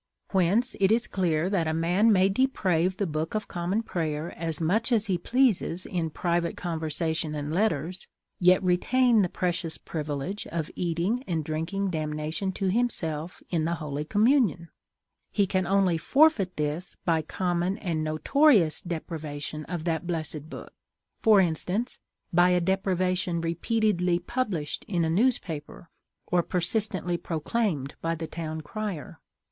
Whence it is clear that a man may deprave the Book of Common Prayer as much as he pleases in private conversation and letters, yet retain the precious privilege of "eating and drinking damnation to himself" in the Holy Communion; he can only forfeit this by common and notorious depravation of that blessed book—for instance, by a depravation repeatedly published in a newspaper, or persistently proclaimed by the town crier.